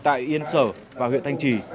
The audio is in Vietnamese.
tại yên sở và huyện thanh trì